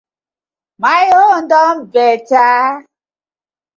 My own don better.